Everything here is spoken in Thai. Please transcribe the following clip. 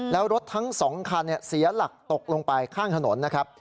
แล้วรถทั้ง๒คันเสียหลักตกลงไปข้างถนนนะครับ